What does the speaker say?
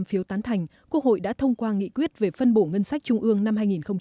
quốc hội đã tiến hành bỏ phiếu biểu quyết thông qua nghị quyết về phân bổ ngân sách trung ương năm hai nghìn hai mươi